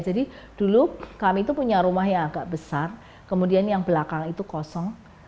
jadi dulu kami itu punya rumah yang agak besar kemudian yang belakang itu kosong